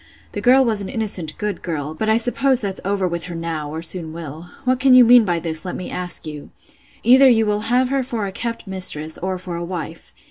The girl was an innocent, good girl; but I suppose that's over with her now, or soon will. What can you mean by this, let me ask you? Either you will have her for a kept mistress, or for a wife.